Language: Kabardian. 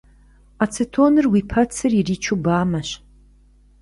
Ацетоныр уи пэцыр иричу бамэщ.